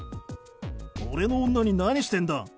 俺の女に何してんだ。